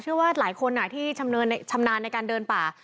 ว่าหลายคนที่ชำนาญในการเดินป่า